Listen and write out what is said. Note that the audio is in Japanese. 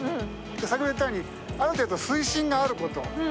先ほども言ったようにある程度水深があること。